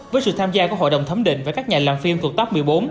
với sự tham gia của hội đồng thấm định và các nhà làm phim cuộc tóc một mươi bốn